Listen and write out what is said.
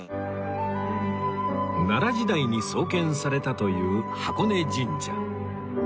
奈良時代に創建されたという箱根神社